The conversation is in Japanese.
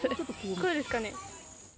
こうですかね？